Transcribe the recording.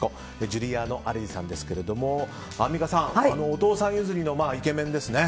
ジュリアーノ・アレジさんですがアンミカさん、お父さん譲りのイケメンですね。